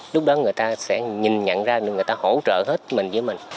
lúc đó người ta sẽ nhìn nhận ra người ta hỗ trợ hết mình với mình